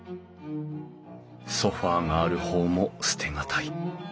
ソファーがある方も捨て難い。